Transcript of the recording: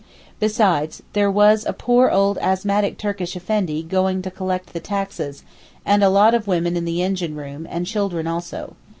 Besides, there was a poor old asthmatic Turkish Effendi going to collect the taxes, and a lot of women in the engine room, and children also.